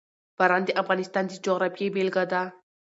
باران د افغانستان د جغرافیې بېلګه ده.